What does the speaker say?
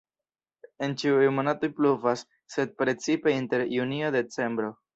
En ĉiuj monatoj pluvas, sed precipe inter junio-decembro.